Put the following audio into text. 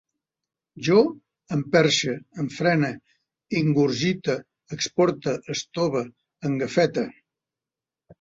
Jo emperxe, enfrene, ingurgite, exporte, estove, engafete